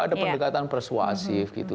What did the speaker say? ada pendekatan persuasif gitu